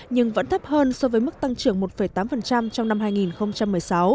nhưng vẫn thấp hơn so với mức tăng trưởng một tám trong năm hai nghìn một mươi sáu